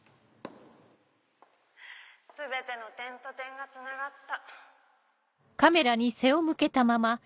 全ての点と点がつながった。